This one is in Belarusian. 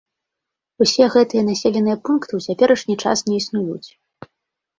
Усе гэтыя населеныя пункты ў цяперашні час не існуюць.